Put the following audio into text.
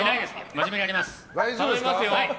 真面目にやります。